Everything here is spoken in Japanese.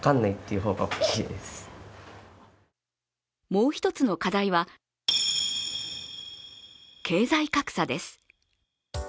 もう一つの課題は経済格差です。